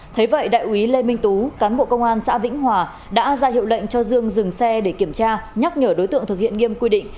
thế vậy đại úy lê minh tú cán bộ công an xã vĩnh hòa đã ra hiệu lệnh cho dương dừng xe để kiểm tra nhắc nhở đối tượng thực hiện nghiêm quy định